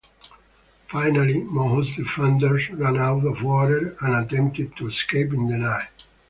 Finally, Moho's defenders ran out of water and attempted to escape in the night.